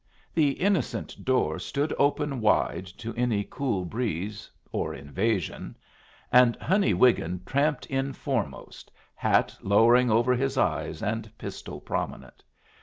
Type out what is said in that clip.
The innocent door stood open wide to any cool breeze or invasion, and Honey Wiggin tramped in foremost, hat lowering over eyes and pistol prominent.